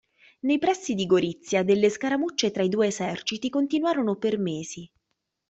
Nei pressi di Gorizia delle scaramucce tra i due eserciti continuarono per mesi.